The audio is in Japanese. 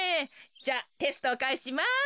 じゃあテストをかえします。